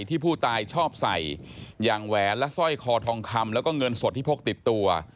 ที่ผู้ตายชอบใส่อย่างแหวนและสร้อยคอทองคำแล้วก็เงินสดที่พกติดตัว